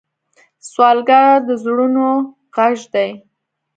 سوالګر د زړونو غږ دی